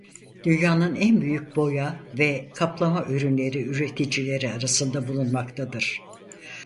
Dünyanın en büyük boya ve kaplama ürünleri üreticileri arasında bulunmaktadır.